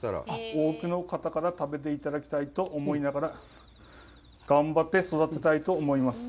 多くの方から食べていただきたいと思いながら、頑張って育てたいと思います。